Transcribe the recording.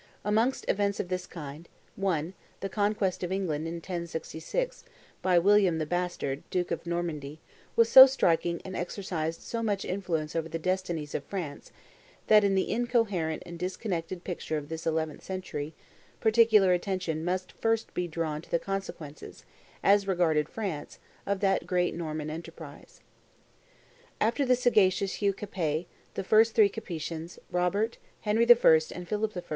Amongst events of this kind, one, the conquest of England, in 1066, by William the Bastard, duke of Normandy, was so striking, and exercised so much influence over the destinies of France, that, in the incoherent and disconnected picture of this eleventh century, particular attention must first be drawn to the consequences, as regarded France, of that great Norman enterprise. After the sagacious Hugh Capet, the first three Capetians, Robert, Henry I., and Philip I.